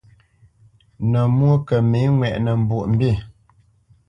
Nə̌ mwó kə mə̌ ŋwɛʼnə Mbwoʼmbî.